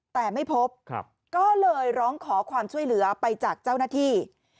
แต่ไม่พบก็เลยร้องขอความช่วยเหลือไปจากเจ้าหน้าที่